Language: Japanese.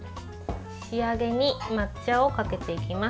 仕上げに抹茶をかけていきます。